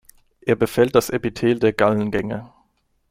Er befällt das Epithel der Gallengänge.